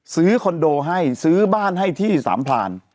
คอนโดให้ซื้อบ้านให้ที่สามพลาน